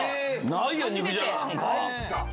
ないよ肉じゃがなんか。